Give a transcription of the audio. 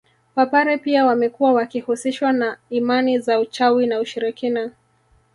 Wapare pia wamekuwa wakihusishwa na imani za uchawi na ushirikina